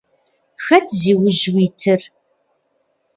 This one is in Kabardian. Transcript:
Хэт зиужь уитыр?